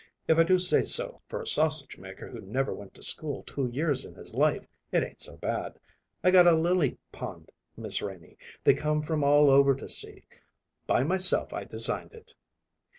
If I do say so, for a sausage maker who never went to school two years in his life it ain't so bad. I got a lily pond, Miss Renie, they come from all over to see. By myself I designed it."